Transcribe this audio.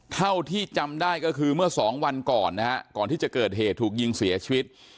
เท่าที่จำได้ก็คือเมื่อสองวันก่อนนะฮะก่อนที่จะเกิดเหตุถูกยิงเสียชีวิต